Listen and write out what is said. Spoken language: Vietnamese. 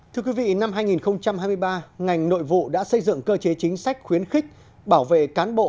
thưa quý vị năm hai nghìn hai mươi ba ngành nội vụ đã xây dựng cơ chế chính sách khuyến khích bảo vệ cán bộ